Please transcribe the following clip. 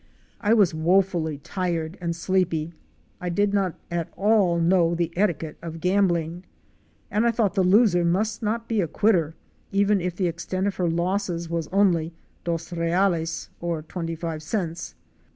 I was wofully tired and sleepy. I did not at all know the etiquette of gambling! And I thought the loser must not be a 'quitter' — even if the extent of her losses was only "' dos reales," or twenty five cents.